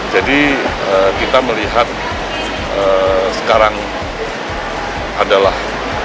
jadi kita melihat sekarang adalah